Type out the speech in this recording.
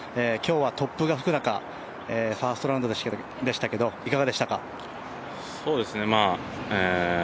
今日は突風が吹く中ファーストラウンドでしたけどいかがでしたか？